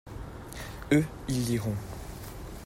Eux, ils liront.